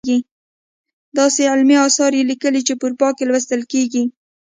داسې علمي اثار یې لیکلي چې په اروپا کې لوستل کیږي.